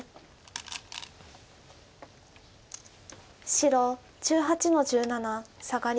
白１８の十七サガリ。